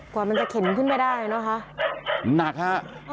กว่ามันจะเข็นขึ้นไปได้นะคะมันหนักฮะ